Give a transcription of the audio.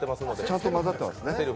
ちゃんと混ざってますね。